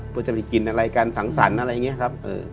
เพื่อจะไปกินอะไรกันสังสรรค์อะไรอย่างนี้ครับ